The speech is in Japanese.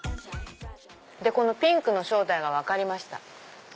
このピンクの正体が分かりました。